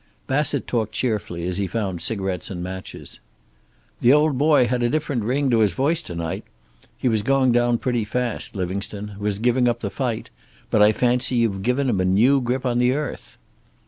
Bassett talked cheerfully as he found cigarettes and matches. "The old boy had a different ring to his voice to night. He was going down pretty fast, Livingstone; was giving up the fight. But I fancy you've given him a new grip on the earth."